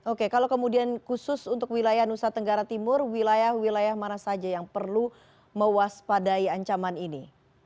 oke kalau kemudian khusus untuk wilayah nusa tenggara timur wilayah wilayah mana saja yang perlu mewaspadai ancaman ini